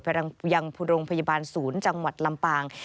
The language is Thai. ยังโรงพยาบาลศูนย์จังหวัดลำปาง